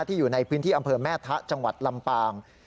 อยู่ในพื้นที่อำเภอแม่ทะจังหวัดลำปาง